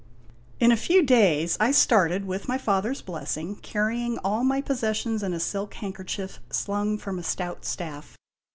In a few days I started, with my father's blessing, carrying all my possessions in a silk handkerchief slung from a stout staff.